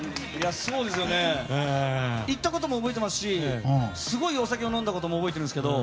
行ったことも覚えていますしすごいお酒を飲んだことも覚えているんですけど